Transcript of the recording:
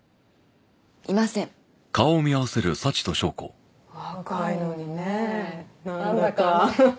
いません若いのにねえなんだかははははっ